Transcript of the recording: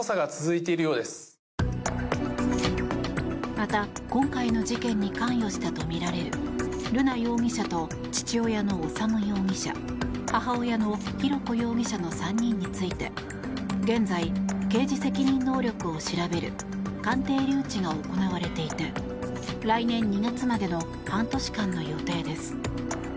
また、今回の事件に関与したとみられる瑠奈容疑者と父親の修容疑者母親の浩子容疑者の３人について現在、刑事責任能力を調べる鑑定留置が行われていて来年２月までの半年間の予定です。